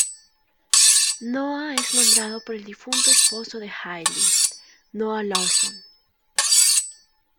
Noah es nombrado por el difunto esposo de Hayley, Noah Lawson.